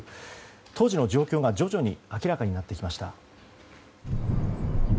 当時の状況が徐々に明らかになってきました。